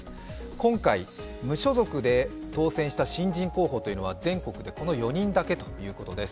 今回、無所属で当選した新人候補は全国でこの４人だけということです。